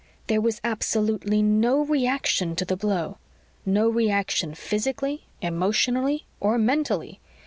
There was absolutely no reaction to the blow no reaction physically, emotionally, or mentally.